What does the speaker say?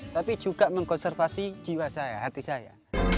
tapi juga mengkonservasi jiwa saya hati saya